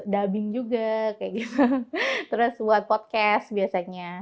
dubbing juga buat podcast biasanya